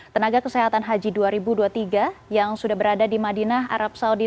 tenaga kesehatan haji dua ribu dua puluh tiga yang sudah berada di madinah arab saudi